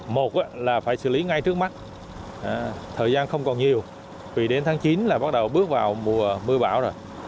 một là phải xử lý ngay trước mắt thời gian không còn nhiều vì đến tháng chín là bắt đầu bước vào mùa mưa bão rồi